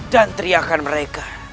dan teriakan mereka